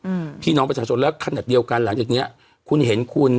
อืมพี่น้องประชาชนแล้วขนาดเดียวกันหลังจากเนี้ยคุณเห็นคุณ